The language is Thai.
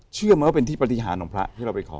เชื่อไหมว่าเป็นที่ปฏิหารของพระที่เราไปขอ